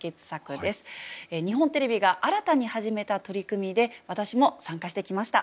日本テレビが新たに始めた取り組みで私も参加してきました。